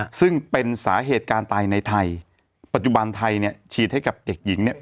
ซึ่งเป็นสาเหตุการตายในไทยปัจจุบันไทยเนี่ยฉีดให้กับเด็กหญิงเนี่ย